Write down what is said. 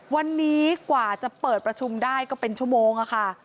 วันนี้กว่าจะเปิดประชุมได้ก็เป็นชั่วโมงค่ะ